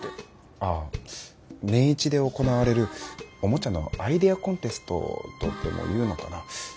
ああ年一で行われるおもちゃのアイデアコンテストとでも言うのかな。